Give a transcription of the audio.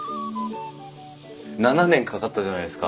７年かかったじゃないですか。